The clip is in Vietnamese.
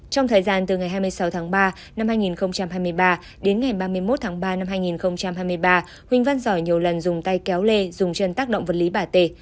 trong thời gian từ ngày hai mươi sáu tháng ba năm hai nghìn hai mươi ba đến ngày ba mươi một tháng ba năm hai nghìn hai mươi ba huỳnh văn giỏi nhiều lần dùng tay kéo lê dùng chân tác động vật lý bà tề